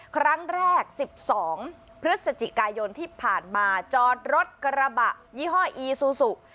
ครั้งแรก๑๒พฤศจิกายนที่ผ่านมาจอดรถกระบะยี่ห้ออีซูซู